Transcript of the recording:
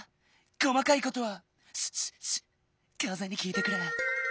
こまかいことはシュッシュッシュかぜにきいてくれ。